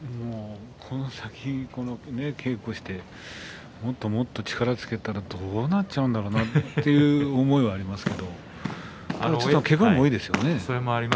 この先、稽古してもっともっと力をつけたらどうなっちゃうんだろうなとという思いはありますね。